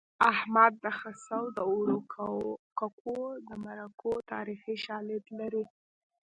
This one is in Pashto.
احمد د خسو د اوړو ککو د مرکو تاریخي شالید لري